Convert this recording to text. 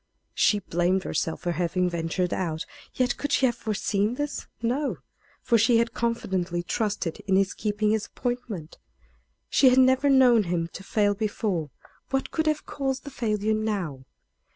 She blamed herself for having ventured out; yet could she have foreseen this? No; for she had confidently trusted in his keeping his appointment. She had never known him to fail before. What could have caused the failure now?